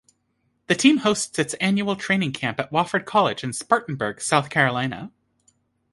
The team hosts its annual training camp at Wofford College in Spartanburg, South Carolina.